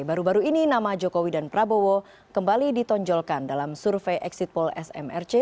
baru baru ini nama jokowi dan prabowo kembali ditonjolkan dalam survei exit poll smrc